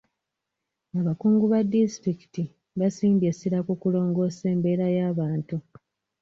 Abakungu ba disitulikiti basimbye essira ku kulongoosa embeera yabantu.